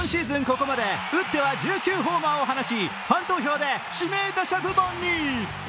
ここまで打っては１９ホーマーを放ちファン投票で指名打者部門に！